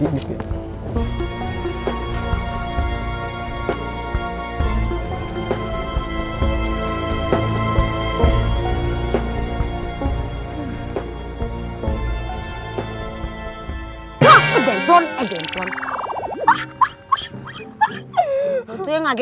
ini ya processing